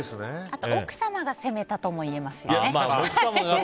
奥様が攻めたとも言えますよね。